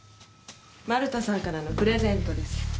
丸田さんからのプレゼントです。